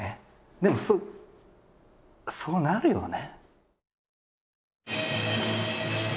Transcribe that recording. でもそうなるよね。